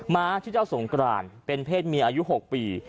้าชื่อเจ้าสงกรานเป็นเพศเมียอายุ๖ปี